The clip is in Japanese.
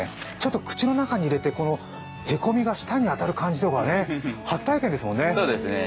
口の中に入れてへこみが舌に当たる感じとか初体験ですもんね。